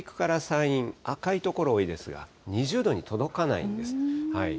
この北陸から山陰、赤い所多いですが、２０度に届かないんです。